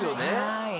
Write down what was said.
はい。